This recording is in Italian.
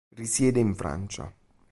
Risiede in Francia.